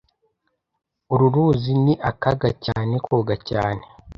Uru ruzi ni akaga cyane koga cyane